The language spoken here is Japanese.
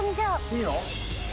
いいの？